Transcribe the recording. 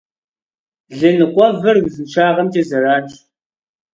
Лы ныкъуэвэр узыншагъэмкӏэ зэранщ.